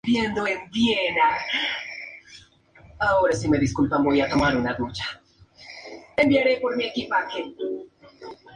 No fue abierto al público.